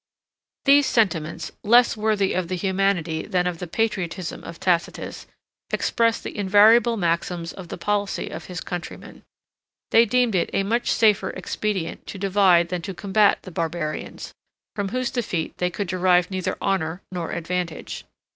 80—These sentiments, less worthy of the humanity than of the patriotism of Tacitus, express the invariable maxims of the policy of his countrymen. They deemed it a much safer expedient to divide than to combat the barbarians, from whose defeat they could derive neither honor nor advantage.